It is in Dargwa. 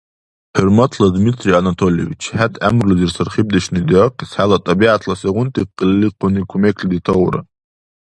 ХӀурматла Дмитрий Анатольевич, хӀед гӀямрулизир сархибдешуни диахъес хӀела тӀабигӀятла сегъунти къиликъуни кумекли детаура?